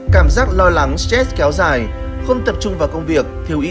cảm ơn bác sĩ